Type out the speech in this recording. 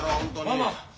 ・ママ。